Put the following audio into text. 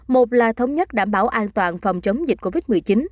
một là thống nhất đảm bảo an toàn phòng chống dịch covid một mươi chín